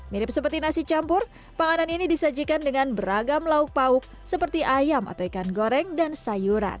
mirip seperti nasi campur panganan ini disajikan dengan beragam lauk pauk seperti ayam atau ikan goreng dan sayuran